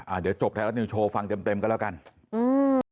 อ่าเดี๋ยวจบแทนละนึงโชว์ฟังเต็มกันแล้วกันอืม